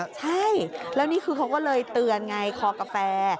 ใช่แล้วนี่คือเขาก็เลยเตือนไงคอกาแฟ